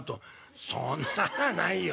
「そんなのはないよ」。